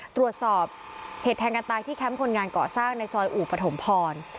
ตรวจสอบเหตุแทงกันตายที่แคมป์คนงานเกาะสร้างในซอยอู่ปฐมพร